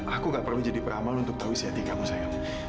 aku nggak perlu jadi peramal untuk tahu isi hati kamu sayang